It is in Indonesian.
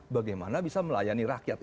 bagaimana bisa melayani rakyat